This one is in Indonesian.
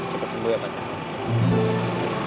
cepet sembuh ya pak cak